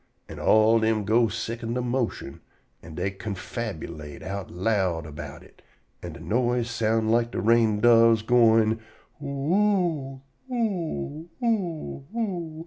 An' all dem ghostes sicond de motion, an' dey canfabulate out loud erbout it, an' de noise soun like de rain doves goin', "Oo oo o o o!"